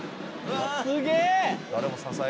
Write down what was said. すげえ！